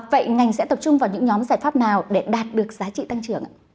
vậy ngành sẽ tập trung vào những nhóm giải pháp nào để đạt được giá trị tăng trưởng ạ